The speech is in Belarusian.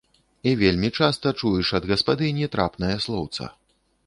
І вельмі часта чуеш ад гаспадыні трапнае слоўца.